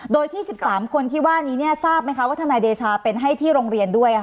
โดยที่๑๓คนที่ว่านี้ทราบไหมคะว่าทนายเดชาเป็นให้ที่โรงเรียนด้วย